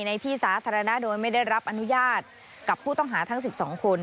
ในที่สาธารณะโดยไม่ได้รับอนุญาตกับผู้ต้องหาทั้ง๑๒คน